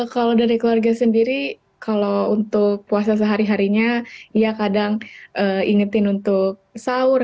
kalau dari keluarga sendiri kalau untuk puasa sehari harinya ya kadang ingetin untuk sahur